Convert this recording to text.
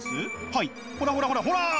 はいほらほらほらほら！